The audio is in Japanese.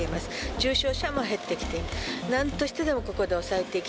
重症者も減ってきている。